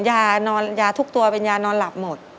ยาทุกตัวเป็นยานอนหลับหมด